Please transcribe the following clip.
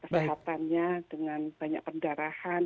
kesehatannya dengan banyak pendarahan